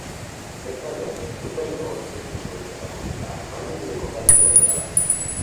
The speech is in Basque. Bestalde, zuzeneko ikuskizun eta musika emanaldien kokalekua ere bada.